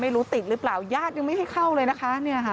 ติดหรือเปล่าญาติยังไม่ให้เข้าเลยนะคะ